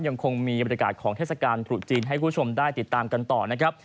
ยังคงมีบรรยากาศของเทศกาลตรุษจีนให้คุณผู้ชมได้ติดตามกันต่อนะครับ